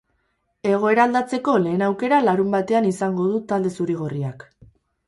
Egoera aldatzeko lehen aukera larunbatean izango du talde zuri-gorriak.